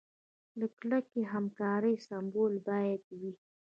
د کلکې همکارۍ سمبول باید وي.